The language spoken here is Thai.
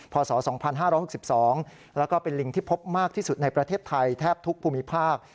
พศ๒๕๖๒แล้วก็เป็นลิงที่พบมากที่สุดในประเทศไทยแทบทุกภูมิภาค